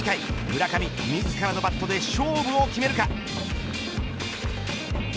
村上、自らのバットで勝負を決めるか。